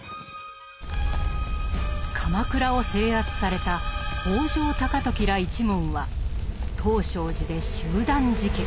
鎌倉を制圧された北条高時ら一門は東勝寺で集団自決。